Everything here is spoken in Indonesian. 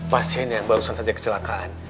pasiennya barusan saja kecelakaan